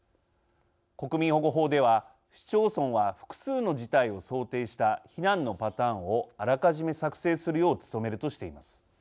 国民保護法では、市町村は複数の事態を想定した避難のパターンをあらかじめ作成するよう努めるとしています。